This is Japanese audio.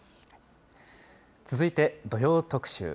続いて土曜特集。